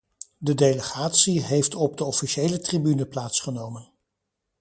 De delegatie heeft op de officiële tribune plaatsgenomen.